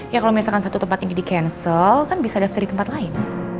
ya kalau misalkan satu tempat ini di cancel kan bisa daftar di tempat lain